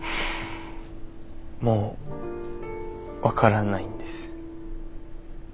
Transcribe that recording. もう分からないんです。